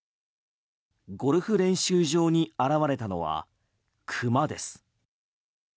ゴルフ練習場に現れたのは熊です。